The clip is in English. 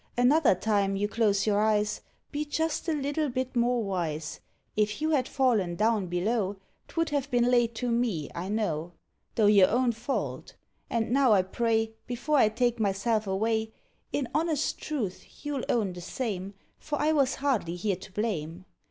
Another time you close your eyes, Be just a little bit more wise. If you had fallen down below, 'Twould have been laid to me, I know, Though your own fault; and now, I pray, Before I take myself away, In honest truth you'll own the same, For I was hardly here to blame.